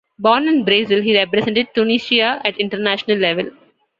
Born in Brazil, he represented Tunisia at international level.